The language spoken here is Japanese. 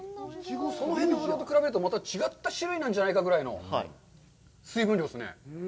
その辺のぶどうと比べると、また違った種類なんじゃないかぐらいの水分量ですね。